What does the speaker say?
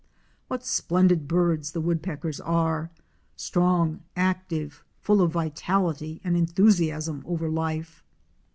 What splendid birds the Woodpeckers are — strong, active, full of vitality and enthusiasm over life.